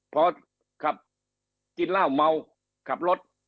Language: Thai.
พอขับกินเหล้าเมาขับรถ